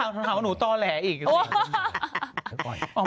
แล้วถามว่าหนูต้อแหล่อีก